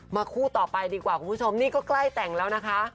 คู่ต่อไปดีกว่าคุณผู้ชมนี่ก็ใกล้แต่งแล้วนะคะ